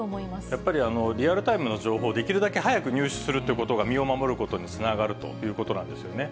やっぱりリアルタイムの情報をできるだけ早く入手するってことが身を守ることにつながるということなんですよね。